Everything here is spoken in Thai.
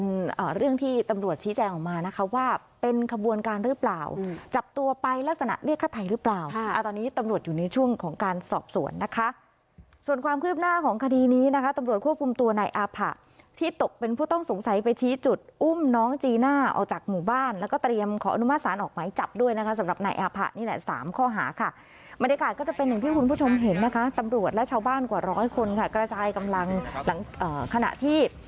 น่ะเรียกค่าไทยหรือเปล่าค่ะอ่าตอนนี้ตำรวจอยู่ในช่วงของการสอบสวนนะคะส่วนความคืบหน้าของคดีนี้นะคะตำรวจควบคุมตัวนายอภัทรที่ตกเป็นผู้ต้องสงสัยไปชี้จุดอุ้มน้องจีน่าออกจากหมู่บ้านแล้วก็เตรียมขออนุมาสารออกไหมจับด้วยนะคะสำหรับนายอภัทรนี่แหละสามข้อหาค่ะบรรยากาศก็จะเป็นหนึ่งท